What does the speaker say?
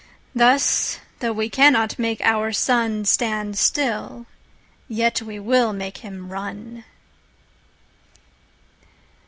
Thus, though we cannot make our SunStand still, yet we will make him run.